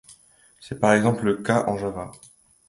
C'est par exemple le cas en Java.